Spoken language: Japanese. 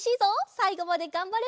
さいごまでがんばれるか？